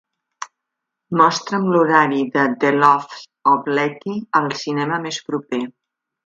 mostra'm l'horari de The Loves of Letty al cinema més proper